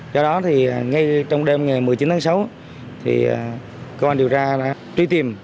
do đó thì ngay trong đêm ngày một mươi chín tháng sáu thì công an điều tra đã truy tìm